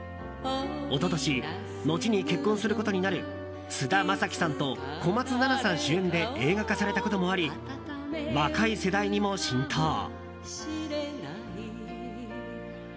一昨年、後に結婚することになる菅田将暉さんと小松菜奈さん主演で映画化されたこともあり若い世代にも浸透。